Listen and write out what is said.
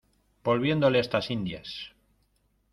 volviéndole estas Indias.